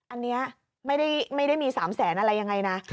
อันนี้ไม่ได้มี๓แสนอะไรยังไงนะ